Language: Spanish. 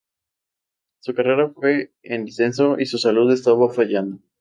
Su carrera fue en descenso y su salud estaba fallando.